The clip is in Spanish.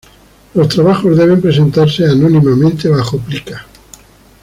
Los trabajos deben presentarse anónimamente bajo plica.